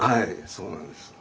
そうなんです。